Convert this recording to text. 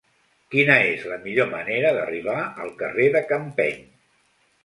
Quina és la millor manera d'arribar al carrer de Campeny?